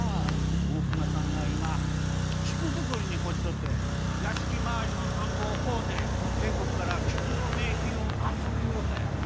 大隈さんが今菊作りに凝っちょって屋敷周りの田んぼを買うて全国から菊の名品を集めゆうがやき。